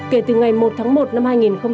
kể từ ngày một tháng một năm hai nghìn hai mươi